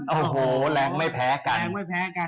โอ้โฮแรงไม่แพ้กัน